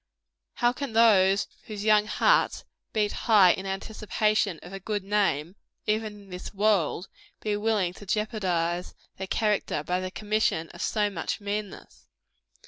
How can those whose young hearts beat high in anticipation of a good name, even in this world, be willing to jeopardize their character by the commission of so much meanness!